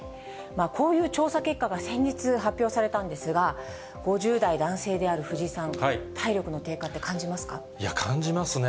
こういう調査結果が先日、発表されたんですが、５０代男性である藤井さん、体力の低下って感じまいや、感じますね。